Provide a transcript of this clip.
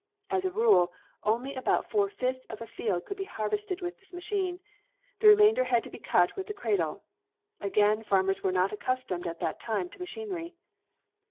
As a rule, only about four fifths of a field could be harvested with this machine; the remainder had to be cut with the cradle. Again, farmers were not accustomed at that time to ma chinery.